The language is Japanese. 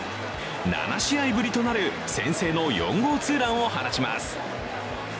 ７試合ぶりとなる先制の４号ツーランを放ちます。